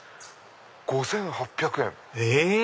５８００円。え！